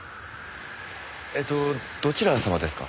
えっとどちら様ですか？